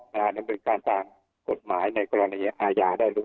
อาหารดำเนินการสร้างกฎหมายในกรณีอาญาได้เลย